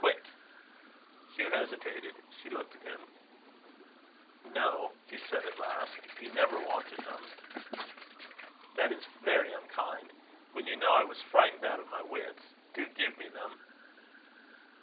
Quick!" Hugh hesitated. She looked at him. "No," he said at last. "You never wanted them." "That is very unkind; when you know I was frightened out of my wits. Do give me them."